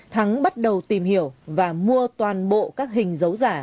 thắng bắt đầu tìm hiểu và mua toàn bộ các hình dấu giả